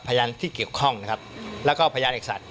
พยานที่เกี่ยวข้องนะครับแล้วก็พยานเอกสัตว